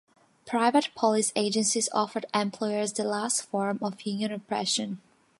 Private police agencies offered employers the last form of union oppression.